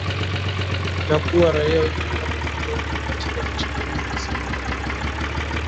Na kuua raia wengi ambapo wengi wao ni katika mashambulizi ya usiku wa manane